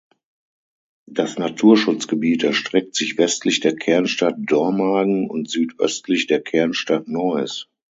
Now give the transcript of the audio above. Das Naturschutzgebiet erstreckt sich westlich der Kernstadt Dormagen und südöstlich der Kernstadt Neuss.